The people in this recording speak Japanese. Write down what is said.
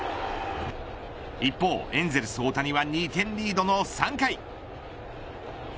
一方、エンゼルス大谷は２点リードの３回。